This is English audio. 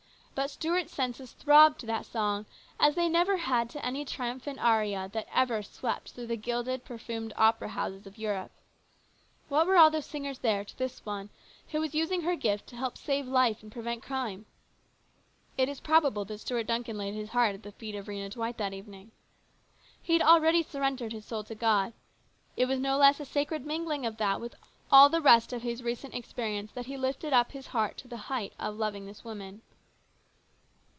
But Stuart's senses throbbed to that song as they never had to any triumphant aria that ever swept through the gilded, perfumed opera houses of Europe. What were all those singers there to this one who was using her gift to help save life and prevent crime ? It is probable that Stuart Duncan laid his heart at the feet of Rhena Dwight that evening. He had already surrendered his soul to God. It was no less a sacred mingling of that with all the rest of his recent experience that he lifted up his heart to the height of loving this woman.